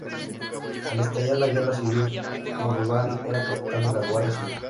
Al estallar la Guerra Civil, Uribarri era capitán de la Guardia Civil.